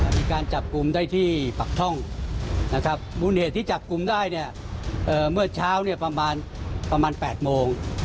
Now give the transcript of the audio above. มันจับกุมได้ที่ปากท่องมูลเหตุที่จับกุมได้เมื่อเช้าประมาณ๘นาที